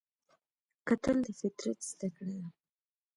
کتل د فطرت زده کړه ده